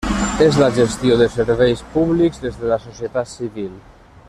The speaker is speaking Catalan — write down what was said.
És la gestió de serveis públics des de la societat civil.